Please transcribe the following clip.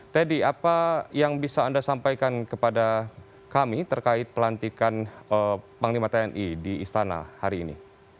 teddy apa yang bisa anda sampaikan kepada kami terkait pelantikan panglima tni di istana hari ini